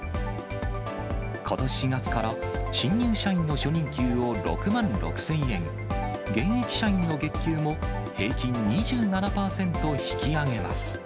ことし４月から新入社員の初任給を６万６０００円、現役社員の月給も平均２７％引き上げます。